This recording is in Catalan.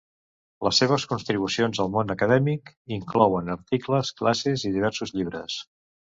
Les seves contribucions al món acadèmic inclouen articles, classes i diversos llibres.